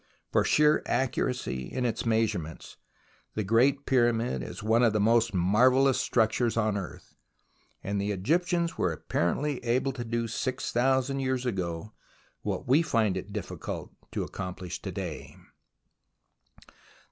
For sheer accuracy in its measurements, the Great P3rramid is one of the most marvellous structures on earth, and the Egyptians were apparently able to do six THE ROMANCE OF EXCAVATION 61 thousand years ago what we find it difficult to accompHsh to day.